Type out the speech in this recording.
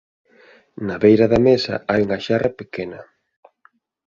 Na beira da mesa hai unha xerra pequena.